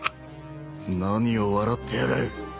何を笑ってやがる。